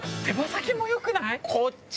手羽先もよくない？